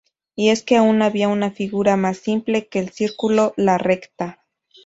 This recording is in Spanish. Y es que aún había una figura más simple que el círculo: la recta.